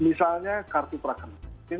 misalnya kartu perakaman